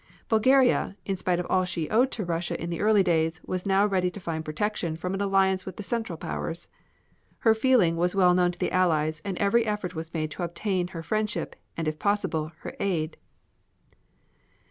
Bulgaria, in spite of all she owed to Russia in the early days, was now ready to find protection from an alliance with the Central Powers. Her feeling was well known to the Allies, and every effort was made to obtain her friendship and, if possible, her aid.